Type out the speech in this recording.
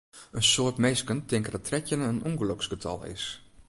In soad minsken tinke dat trettjin in ûngeloksgetal is.